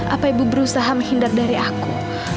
apa ibu berusaha menghindar dari aku